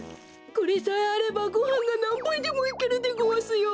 これさえあればごはんがなんばいでもいけるでごわすよ。